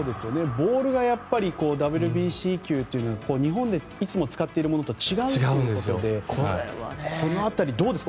ボールがＷＢＣ球というのは日本でいつも使っているものと違うということでこの辺りどうですか？